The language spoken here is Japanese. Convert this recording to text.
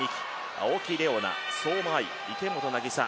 青木玲緒樹相馬あい、池本凪沙